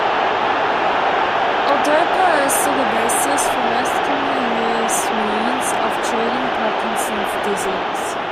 L-Dopa is still the basis for most commonly used means of treating Parkinson's disease.